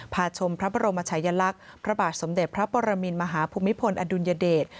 ชมพระบรมชายลักษณ์พระบาทสมเด็จพระปรมินมหาภูมิพลอดุลยเดช